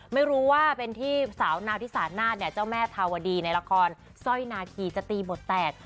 ไม่รู้ว่าเป็นที่สาวนาวธิสานาศเนี่ยเจ้าแม่ธาวดีในละครสร้อยนาคีจะตีบทแตก